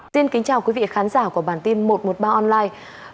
xin kính chào quý vị khán giả của bản tin một trăm một mươi ba online